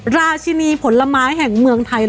ราชินีผลไม้แห่งเมืองไทย